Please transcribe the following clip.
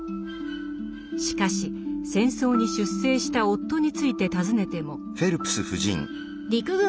しかし戦争に出征した夫について尋ねても。